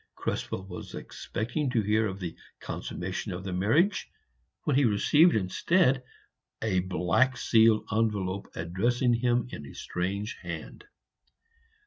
Krespel was expecting to hear of the consummation of the marriage, when he received instead a black sealed envelope addressed in a strange hand.